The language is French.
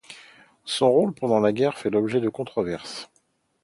Son rôle pendant la guerre fait l'objet de controverse.